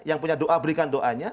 yang punya doa berikan doanya